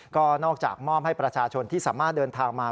ก็นอกจากมอบให้ประชาชนที่สามารถเดินทางมา